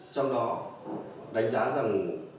trong đó đánh giá rằng